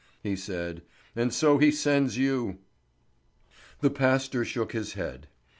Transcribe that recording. he said. "And so he sends you." The pastor shook his head.